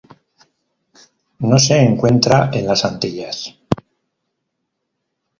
No se encuentra en las Antillas.